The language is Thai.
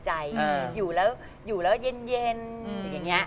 หรือว่าเย็นอย่างนี้